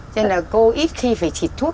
nên là cô ít khi phải thịt thuốc